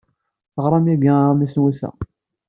Teɣram yagi aɣmis n wass-a.